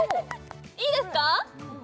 いいですか？